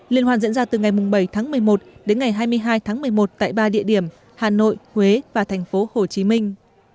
liên hoan diễn ra từ ngày bảy tháng một mươi một đến ngày hai mươi hai tháng một mươi một tại ba địa điểm hà nội huế và thành phố hồ chí minh